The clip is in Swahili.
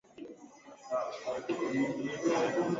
Mfumuko wa bei uko asilimia sita.